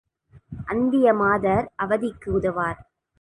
அந்நிய மாதர் அவதிக்கு உதவார்.